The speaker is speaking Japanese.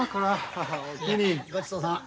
ごちそうさん。